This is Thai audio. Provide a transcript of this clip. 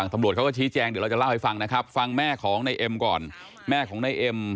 ในโซเชียลที่แม่ผมโพสต์อะที่ผมพันแขนเนี่ยคือว่าตอนนั้น